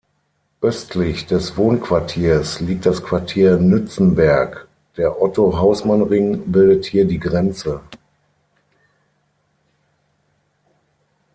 Östlich des Wohnquartiers liegt das Quartier Nützenberg, der "Otto-Hausmann-Ring" bildet hier die Grenze.